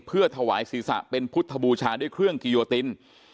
เพื่อถวายศีรษะเป็นพุทธบูชาด้วยเครื่องกิโยติน